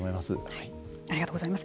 ありがとうございます。